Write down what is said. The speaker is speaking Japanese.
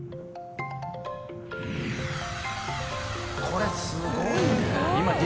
これすごいね。